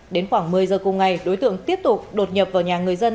đến khoảng một mươi giờ cùng ngày đối tượng tiếp tục đột nhập vào nhà người dân